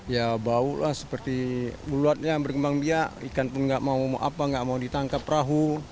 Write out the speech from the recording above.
ya bau lah seperti bulatnya berkembang biak ikan pun nggak mau ditangkap perahu